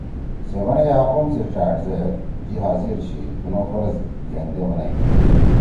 سے بنئی آ قوم سی ڇأڑ زید )لبیک( جی حاضر چھی تنُو فرض گھیندے بنئی